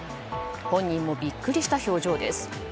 本人もビックリした表情です。